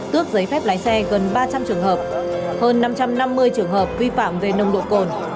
tước giấy phép lái xe gần ba trăm linh trường hợp hơn năm trăm năm mươi trường hợp vi phạm về nồng độ cồn